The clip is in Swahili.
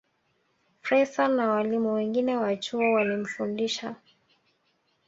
Fraser na walimu wengine wa chuo walimfundisha